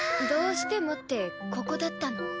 「どうしても」ってここだったの？